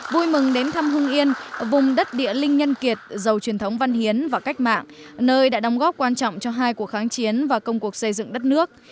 vui mừng đến thăm hưng yên ở vùng đất địa linh nhân kiệt giàu truyền thống văn hiến và cách mạng nơi đã đóng góp quan trọng cho hai cuộc kháng chiến và công cuộc xây dựng đất nước